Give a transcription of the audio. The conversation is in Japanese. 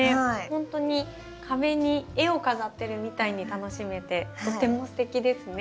ほんとに壁に絵を飾ってるみたいに楽しめてとてもすてきですね。